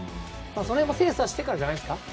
その辺も精査してからじゃないですか。